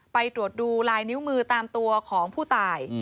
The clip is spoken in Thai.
ไปตรวจดูลายนิ้วมือตามตัวของผู้ตาย